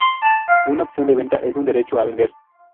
Una opción de venta es un derecho a vender.